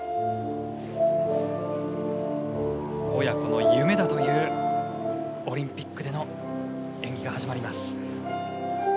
親子の夢だというオリンピックでの演技が始まります。